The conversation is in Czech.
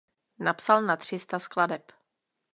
Napsal na tři sta skladeb.